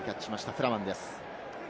フラマンです。